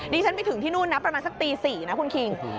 ฉันไปถึงที่นู่นนะประมาณสักตี๔นะคุณคิง